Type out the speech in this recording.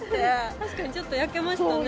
確かにちょっと焼けましたね。